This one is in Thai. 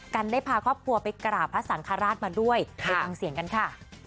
กันได้พาครอบครัวไปกราบพระสังฆราชมาด้วยไปฟังเสียงกันค่ะ